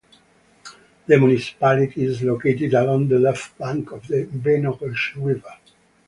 The municipality is located along the left bank of the Venoge river.